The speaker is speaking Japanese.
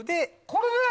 これで？